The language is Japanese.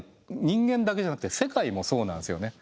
人間だけじゃなくて世界もそうなんですよね。